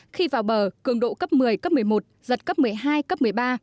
khi vào bờ cường độ cấp một mươi cấp một mươi một giật cấp một mươi hai cấp một mươi ba